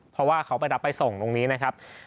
เพราะว่าเขาไปรับไปส่งตรงนี้นะครับ